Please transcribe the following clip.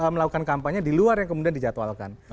melakukan kampanye di luar yang kemudian dijadwalkan